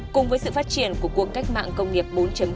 cùng với sự phát triển của cuộc cách mạng công nghiệp bốn